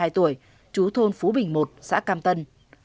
hai mươi tuổi chú thôn phú bình một xã cam tân